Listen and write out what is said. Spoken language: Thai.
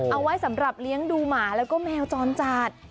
เอาไว้สำหรับเลี้ยงดูหมาแล้วก็แมวจรจัด